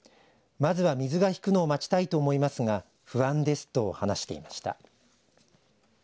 まずは水が引くのを待ちたいと思いますが不安ですと話していました。